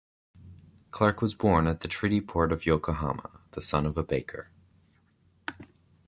Clarke was born at the treaty port of Yokohama, the son of a baker.